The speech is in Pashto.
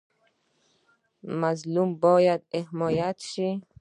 مظلوم باید حمایت شي